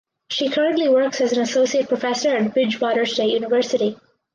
She currently works as an associate professor at Bridgewater State University.